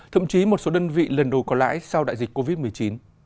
thậm chí một số đơn vị lần đầu có lãi sau đại dịch covid một mươi chín